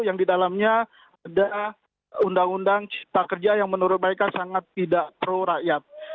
yang didalamnya undang undang cipta kerja yang menurut mereka sangat tidak pro rakyat